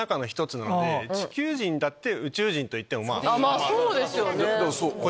まぁそうですよね。